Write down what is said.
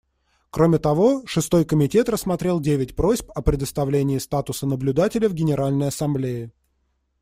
Кроме того, Шестой комитет рассмотрел девять просьб о предоставлении статуса наблюдателя в Генеральной Ассамблее.